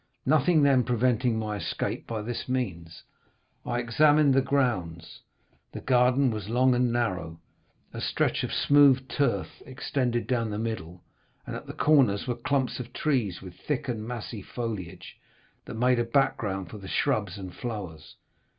Nothing, then, preventing my escape by this means, I examined the grounds. The garden was long and narrow; a stretch of smooth turf extended down the middle, and at the corners were clumps of trees with thick and massy foliage, that made a background for the shrubs and flowers.